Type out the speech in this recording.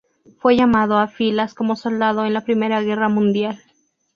Fue llamado a filas como soldado en la primera guerra mundial.